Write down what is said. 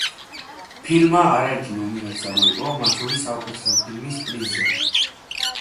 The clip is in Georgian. ფილმმა არაერთი ნომინაცია მოიპოვა, მათ შორის, საუკეთესო ფილმის პრიზზე.